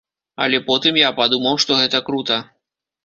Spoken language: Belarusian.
Але потым я падумаў, што гэта крута.